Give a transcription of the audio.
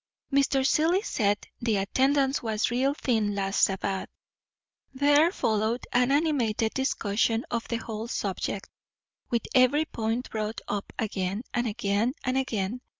Mr. Seelye said the attendance was real thin last Sabbath." There followed an animated discussion of the whole subject, with every point brought up again, and again and again.